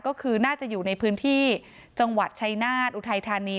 ก็คือน่าจะอยู่ในพื้นที่จังหวัดชัยนาฏอุทัยธานี